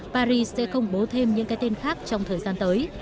paris sẽ công bố thêm những cái tên khác trong thời gian tới